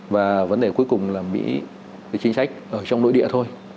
và vấn đề cuối cùng là mỹ chính sách ở trong nội địa thôi